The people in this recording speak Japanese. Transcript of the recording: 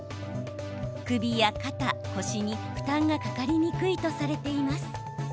首や肩、腰に負担がかかりにくいとされています。